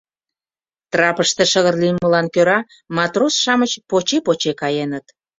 Трапыште шыгыр лиймылан кӧра матрос-шамыч поче-поче каеныт.